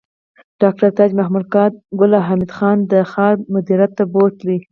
ډاکټر تاج محمد ګل حمید خان د خاد مدیریت ته بوت